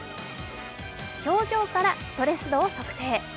表情からストレス度を測定。